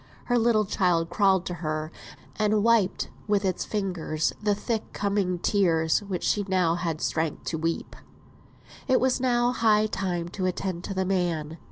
Her little child crawled to her, and wiped with its fingers the thick coming tears which she now had strength to weep. It was now high time to attend to the man.